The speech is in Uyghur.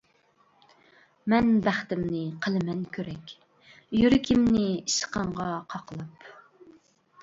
مەن بەختىمنى قىلىمەن كۆرەك، يۈرىكىمنى ئىشقىڭغا قاقلاپ.